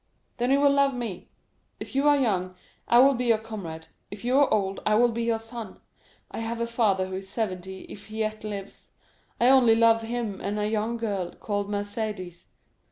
"Then you will love me. If you are young, I will be your comrade; if you are old, I will be your son. I have a father who is seventy if he yet lives; I only love him and a young girl called Mercédès.